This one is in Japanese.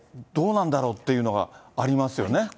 どうなんだろうっていうのがありますよね。